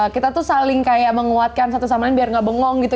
kita tuh saling kayak menguatkan satu sama lain biar gak bengong gitu